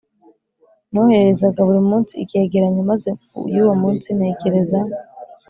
noherezaga buri munsi icyegeranyo maze mu y'uwo munsi ntekereza